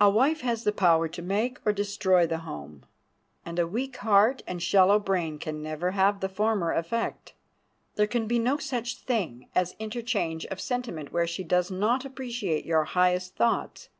A wife has the power to make or destroy the home, and a weak heart and shallow brain can never have the former effect. There can be no such a thing as interchange of sentiment where she does not appreciate your highest thoughts.